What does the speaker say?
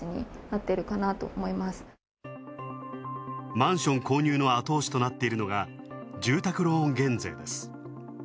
マンション購入の後押しとなっているのが住宅ローン減税です。